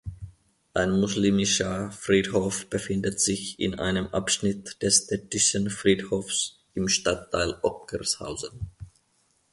Ein muslimischer Friedhof befindet sich in einem Abschnitt des städtischen Friedhofs im Stadtteil Ockershausen.